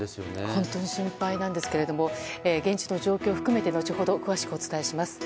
本当に心配なんですけれども現地の状況を含めて後ほど詳しくお伝えします。